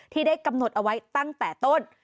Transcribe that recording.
ที่ได้กำหนดเอาไว้ตั้งแต่ต้น